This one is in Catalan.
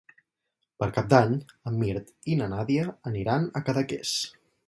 Per Cap d'Any en Mirt i na Nàdia aniran a Cadaqués.